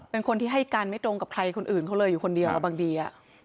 เป็นคนที่ให้การไม่ตรงกับใครคนอื่นเขาเลยอยู่คนเดียวแล้วบางที